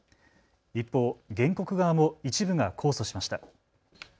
一方原告側も一部が控訴しました。